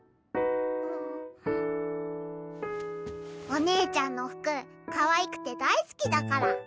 お姉ちゃんの服かわいくて大好きだから。